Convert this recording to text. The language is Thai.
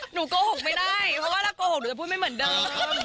โกหกไม่ได้เพราะว่าถ้าโกหกหนูจะพูดไม่เหมือนเดิม